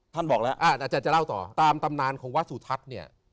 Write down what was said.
บอกแล้วอาจารย์จะเล่าต่อตามตำนานของวัดสุทัศน์เนี่ย